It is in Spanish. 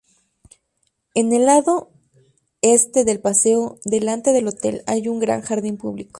En el lado este del paseo, delante del hotel, hay un gran jardín público.